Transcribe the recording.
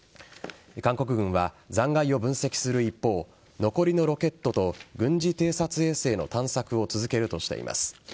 韓国軍は残骸を分析する一方残りのロケットと軍事偵察衛星の探索を続けるとしています。